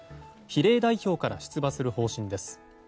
比例代表から出馬する方針です。